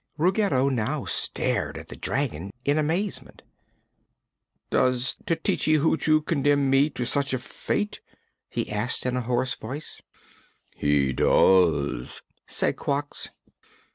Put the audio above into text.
Ruggedo now stared at the dragon in amazement. "Does Tititi Hoochoo condemn me to such a fate?" he asked in a hoarse voice. "He does," said Quox.